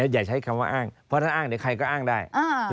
อย่าใช้คำว่าอ้างเพราะถ้าอ้างเดี๋ยวใครก็อ้างได้